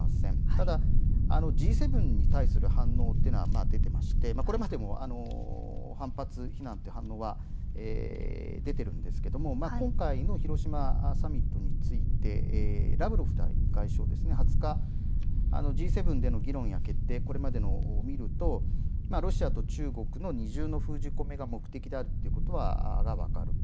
ただ、Ｇ７に対する反応っていうのは出てまして、これまでも反発、非難という反応は出てるんですけれども、今回の広島サミットについて、ラブロフ外相ですね、２０日、Ｇ７での議論や決定、これまでのを見ると、ロシアと中国の二重の封じ込めが目的であるということが分かると。